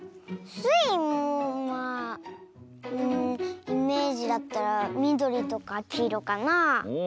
スイもまあうんイメージだったらみどりとかきいろかなあ。